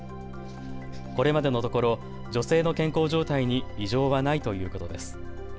これまでのところ女性の健康状態に異常はないということです。